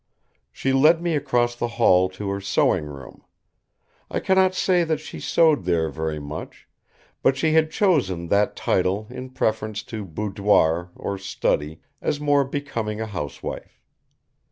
She led me across the hall to her sewing room. I cannot say that she sewed there very much, but she had chosen that title in preference to boudoir or study as more becoming a housewife.